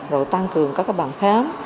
rồi tăng cường các cái bàn khám